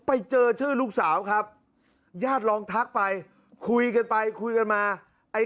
ไปเจอชื่อลูกสาวครับญาติลองทักไปคุยกันไปคุยกันมาไอ้